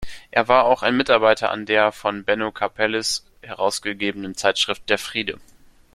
Er war auch ein Mitarbeiter an der von Benno Karpeles herausgegebenen Zeitschrift "Der Friede.